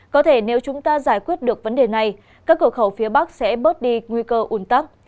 có thể nếu chúng ta giải quyết được vấn đề này các cửa khẩu phía bắc sẽ bớt đi nguy cơ ủn tắc